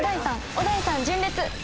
小田井さん純烈。